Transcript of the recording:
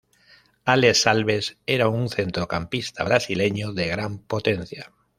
Alex Alves era un centrocampista brasileño de gran potencia.